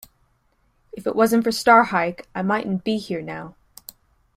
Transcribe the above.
If it wasn't for Starhyke, I mightn't be here now.